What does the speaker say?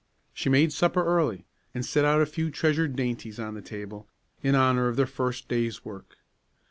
She made supper early, and set out a few treasured dainties on the table, in honor of the first day's work.